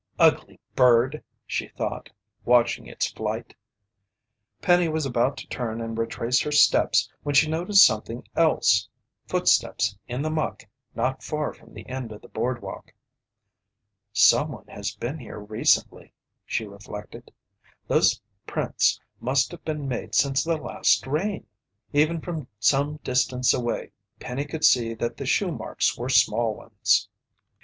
"Ugly bird!" she thought, watching its flight. Penny was about to turn and retrace her steps, when she noticed something else footsteps in the muck not far from the end of the boardwalk. "Someone has been here recently," she reflected. "Those prints must have been made since the last rain." Even from some distance away. Penny could see that the shoemarks were small ones.